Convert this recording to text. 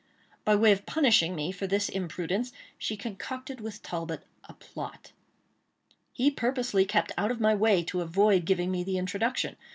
By way of punishing me for this imprudence, she concocted with Talbot a plot. He purposely kept out of my way to avoid giving me the introduction.